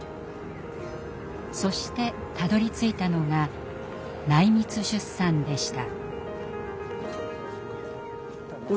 そしてたどりついたのが内密出産でした。